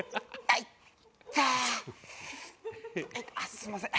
すみません。